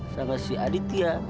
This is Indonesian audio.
sama si aditya